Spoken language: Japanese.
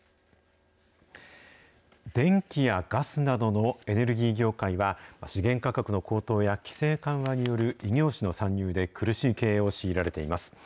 電気やガスなどのエネルギー業界は、資源価格の高騰や規制緩和による異業種の参入で苦しい経営を強いられています。